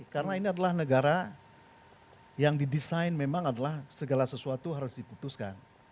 karena ini adalah negara yang didesain memang adalah segala sesuatu harus diputuskan